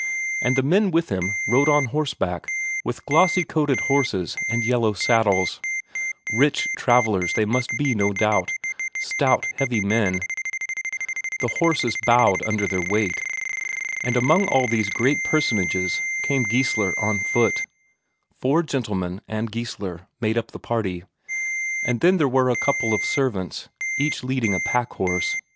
And the men with him rode on horseback with glossy coated horses and yellow saddles; rich travellers they must be no doubt; stout, heavy men; the horses bowed under their weight. And among all these great personages came Geissler on foot. Four gentlemen and Geissler made up the party, and then there were a couple of servants each leading a packhorse.